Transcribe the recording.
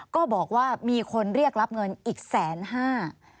ก็บอกว่ามีคนเรียกรับเงินอีกแสนห้า